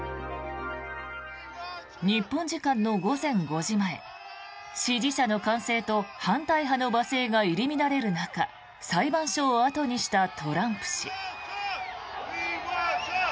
日本時間の午前５時前支持者の歓声と反対派の罵声が入り乱れる中裁判所を後にしたトランプ氏。